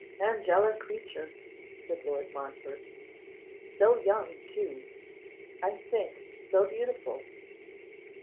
'Angelic creature!' said Lord Montfort. 'So young, too; I think so beautiful.